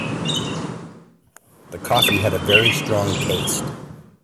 The coffee had a very strong taste.